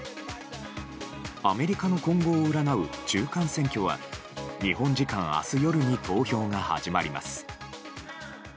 アメリカの今後を占う中間選挙は日本時間明日夜に投票が始まります。